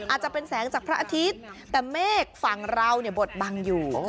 อาจจะเป็นแสงจากพระอาทิตย์แต่เมฆฝั่งเราเนี่ยบทบังอยู่